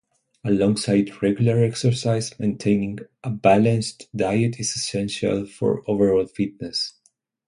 Alongside regular exercise, maintaining a balanced diet is essential for overall fitness.